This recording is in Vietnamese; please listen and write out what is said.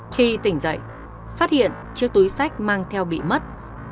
khi tỉnh dậy phát hiện chiếc túi sách mang theo bị mất